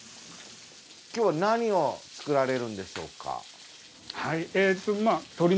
今日は何を作られるんでしょうか？